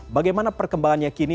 bagaimana perkembangannya kini